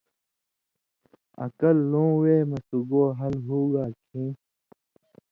آں کلہۡ لُوں وے مہ سُگو حل ہُوگا کھیں